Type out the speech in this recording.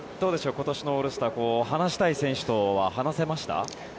今年のオールスターは話したい選手とは話せました？